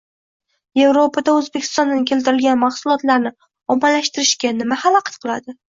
— Yevropada O‘zbekistondan keltirilgan mahsulotlarni ommalashtirishga nima xalaqit qiladi?